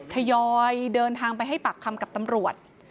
ทยอยเดินทางไปให้ปากคำกับตำรวจ